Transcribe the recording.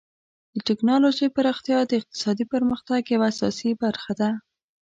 د ټکنالوژۍ پراختیا د اقتصادي پرمختګ یوه اساسي برخه ده.